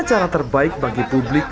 cara terbaik bagi publik